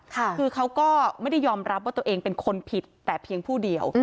คือเขาก็ไม่ได้ยอมรับว่าตัวเองเป็นคนผิดแต่เพียงผู้เดียว